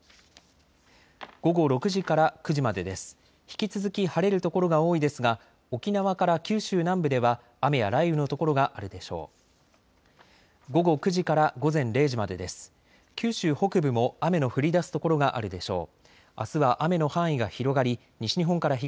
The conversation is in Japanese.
引き続き晴れる所が多いですが沖縄から九州南部では雨や雷雨の所があるでしょう。